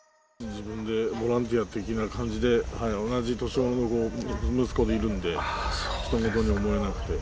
自分でボランティア的な感じで、同じ年頃の息子がいるんで、他人事に思えなくて。